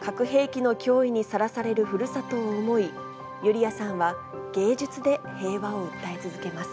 核兵器の脅威にさらされるふるさとを思い、ユリヤさんは、芸術で平和を訴え続けます。